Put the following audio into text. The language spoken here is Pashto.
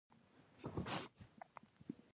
د هغه نقشه نواب ته تشریح کړي.